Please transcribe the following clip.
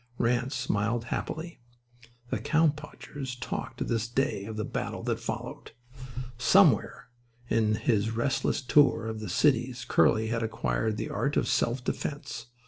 Ranse smiled happily. The cowpunchers talk to this day of the battle that followed. Somewhere in his restless tour of the cities Curly had acquired the art of self defence.